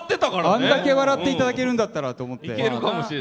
あれだけ笑っていただけるんだったらと思って。